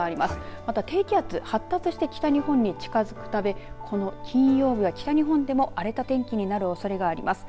また低気圧、発達して北日本に近づくため金曜日は、北日本でも荒れた天気になるおそれがあります。